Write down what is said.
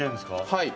はい。